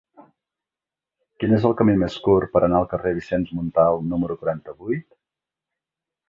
Quin és el camí més curt per anar al carrer de Vicenç Montal número quaranta-vuit?